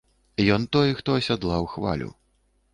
Ён той хто, асядлаў хвалю.